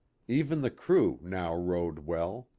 Even the crew now rowed well.